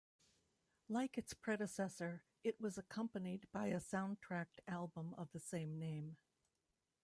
Like its predecessor, it was accompanied by a soundtrack album of the same name.